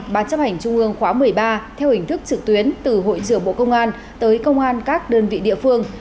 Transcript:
ban chấp hành trung ương khóa một mươi ba theo hình thức trực tuyến từ hội trưởng bộ công an tới công an các đơn vị địa phương